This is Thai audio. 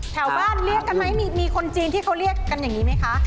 แถวบ้านเรียกกันไหมมีคนจีนที่เขาเรียกกันอย่างนี้ไหมคะ